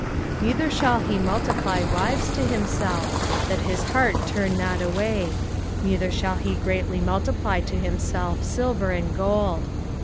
05:017:017 Neither shall he multiply wives to himself, that his heart turn not away: neither shall he greatly multiply to himself silver and gold.